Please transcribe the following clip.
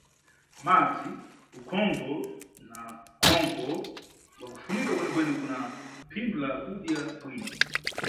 Madzi, ukhonkho na khonkho ngwakufunika kwenekwene kuna phindu la kudya bwino.